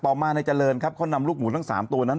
ต่อมานายเจริญครับเขานำลูกหมูทั้ง๓ตัวนั้น